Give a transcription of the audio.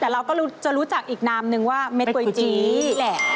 แต่เราก็จะรู้จักอีกนามนึงว่าเม็ดก๋วยจี้นี่แหละ